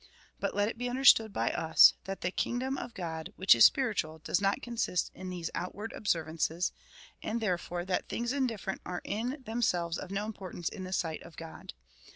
But let it be understood by us, that the kingdom of Ood, which is spiritual, does not consist in these outward observances, and therefore, that things indifferent are in themselves of no importance in the sight of God.